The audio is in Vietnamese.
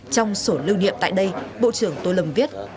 trong sổ lưu niệm tại đây bộ trưởng tô lâm viết